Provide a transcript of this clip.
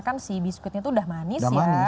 kan sih biskuitnya udah manis